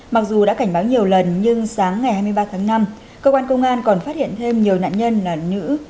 mặc dù đã cảnh báo nhiều lần nhưng sáng ngày hai mươi ba tháng năm cơ quan công an còn phát hiện thêm nhiều nạn nhân là nữ